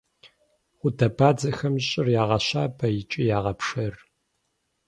Гъудэбадзэхэм щӀыр ягъэщабэ икӏи ягъэпшэр.